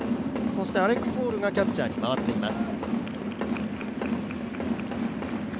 そしてアレックス・ホールがキャッチャーに回っています。